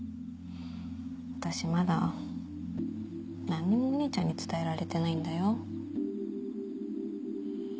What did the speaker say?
私まだ何にもお兄ちゃんに伝えられてないんだよ。